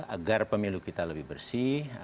agar pemilu kita lebih bersih